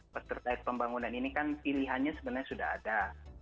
terkait pembangunan ini kan pilihannya sebenarnya sudah ada